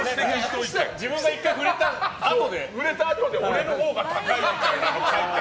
自分が１回、触れたあとで俺のほうが高いみたいな。